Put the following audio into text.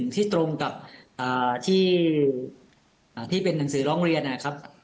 ที่ตรงกับที่เป็นหนังสือร้องเรียนนะครับ